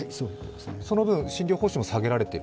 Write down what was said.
その分、診療報酬も下げられている？